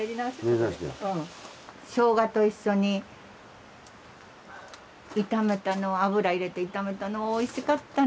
ショウガと一緒に炒めたの油入れて炒めたのはおいしかったね。